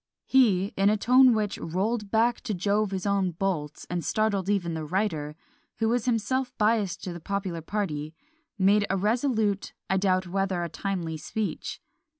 He, in a tone which "rolled back to Jove his own bolts," and startled even the writer, who was himself biassed to the popular party, "made a resolute, I doubt whether a timely, speech."